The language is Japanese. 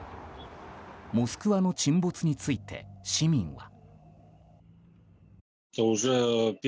「モスクワ」の沈没について市民は。